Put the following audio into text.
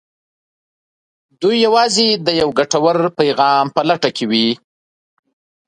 دوی يوازې د يوه ګټور پيغام په لټه کې وي.